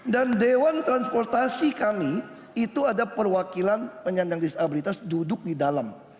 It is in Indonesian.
dan dewan transportasi kami itu ada perwakilan penyandang disabilitas duduk di dalam